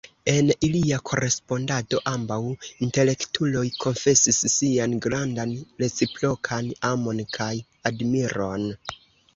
En ilia korespondado, ambaŭ intelektuloj konfesis sian grandan reciprokan amon kaj admiron.